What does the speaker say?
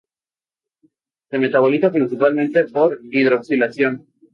Se metaboliza principalmente por hidroxilación.